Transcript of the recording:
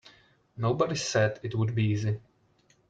Nobody said it would be easy.